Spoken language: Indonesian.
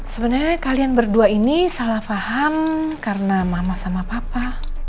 sebenarnya kalian berdua ini salah paham karena mama sama papa